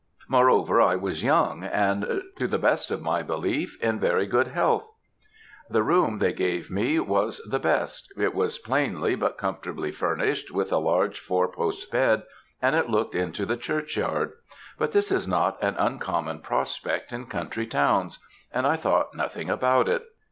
Moreover, I was young; and, to the best of my belief, in very good health. "The room they gave me was the best. It was plainly but comfortably furnished, with a large four post bed, and it looked into the churchyard; but this is not an uncommon prospect in country towns, and I thought nothing about it.